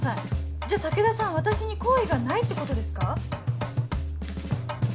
じゃあ武田さん私に好意がないってことですか？